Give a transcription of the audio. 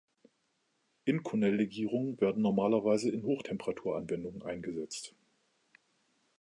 Inconel-Legierungen werden normalerweise in Hochtemperatur-Anwendungen eingesetzt.